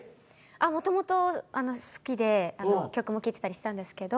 もともと好きで曲も聴いてたりしたんですけど。